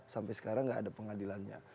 sampai sekarang nggak ada pengadilannya